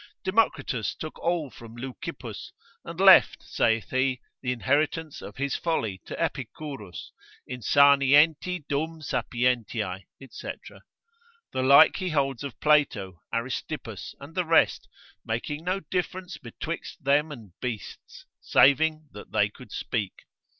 Democritus took all from Leucippus, and left, saith he, the inheritance of his folly to Epicurus, insanienti dum sapientiae, &c. The like he holds of Plato, Aristippus, and the rest, making no difference betwixt them and beasts, saving that they could speak.